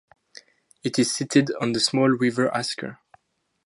It is sited on the small River Asker.